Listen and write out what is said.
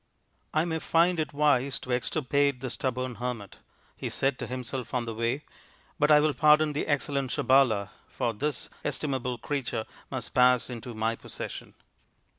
" I may find it wise to extirpate the stubborn hermit," he said to himself on the way, " but I will pardon the excellent Sabala, for this estimable creature must pass into my possession."